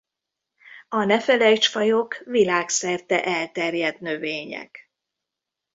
A nefelejcs-fajok világszerte elterjedt növények.